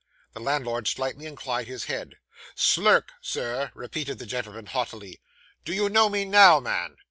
The landlord slightly inclined his head. 'Slurk, sir,' repeated the gentleman haughtily. 'Do you know me now, man?